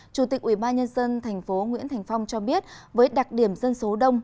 chủ tịch ubnd tp nguyễn thành phong cho biết với đặc điểm dân số đông